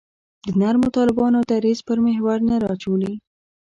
د نرمو طالبانو دریځ پر محور نه راچورلي.